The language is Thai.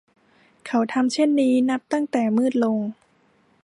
เขาทำเช่นนี้นับตั้งแต่มืดลง